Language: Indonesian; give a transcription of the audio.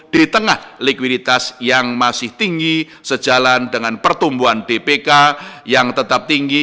di tengah likuiditas yang masih tinggi sejalan dengan pertumbuhan dpk yang tetap tinggi